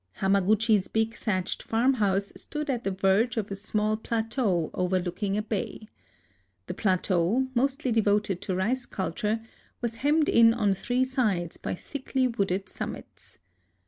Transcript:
Hamaguchi's big thatched farmhouse stood at the verge of a small plateau overlooking a bay. The plateau, mostly devoted to rice cul ture, was hemmed in on three sides by thickly wooded summits.